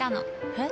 えっ？